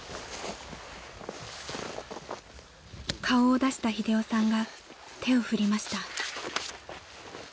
［顔を出した英雄さんが手を振りました］